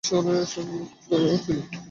সে তার ভাইয়ের পক্ষ থেকে মিসরের শাসনকর্তা ছিল।